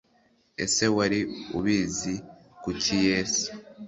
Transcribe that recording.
Ese wari ubizi Kuki Yesu